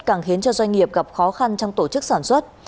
càng khiến cho doanh nghiệp gặp khó khăn trong tổ chức sản xuất